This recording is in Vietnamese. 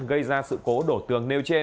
gây ra sự cố đổ tướng